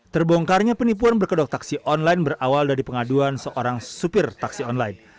terbongkarnya penipuan berkedok taksi online berawal dari pengaduan seorang supir taksi online